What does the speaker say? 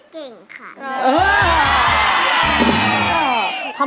เก่งค่ะ